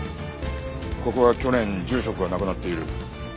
ここは去年住職が亡くなっている。